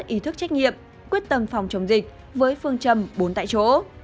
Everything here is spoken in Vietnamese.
ý thức trách nhiệm quyết tâm phòng chống dịch với phương châm bốn tại chỗ